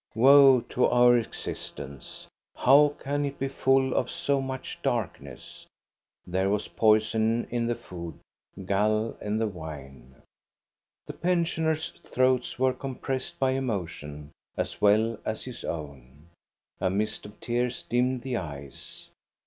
Woe to our existence! How can it be full of so much darkness.' There was poison in the food, gall in the wine. The pensioners' throats were compressed by emo tion as well as his own. A mist of tears dimmed the eyes.